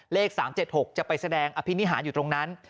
เลข๓๗๖จะไปแสดงอภินิหารอยู่ตรงนั้น